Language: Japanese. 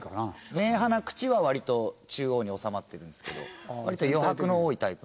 目鼻口は割と中央に収まってるんですけど割と余白の多いタイプの顔で。